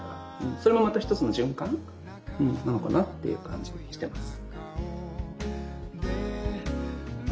それもまた一つの循環なのかなっていう感じはしてます。